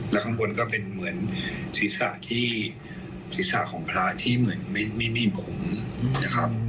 แล้วข้างบนก็เป็นเหมือนศีรษะที่ศีรษะของพระที่เหมือนไม่มีผมนะครับ